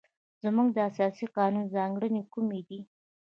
زموږ د اساسي قانون ځانګړنې کومې دي؟